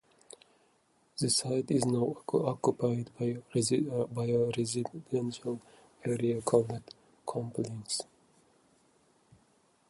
The site is now occupied by a residential area called "Complins".